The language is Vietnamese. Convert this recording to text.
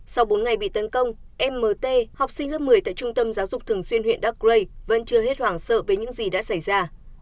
sau bốn ngày bị tấn công emt học sinh lớp một mươi tại trung tâm giáo dục thường xuyên huyện đắc lây vẫn chưa hết hoàng sợ về những gì đã xảy ra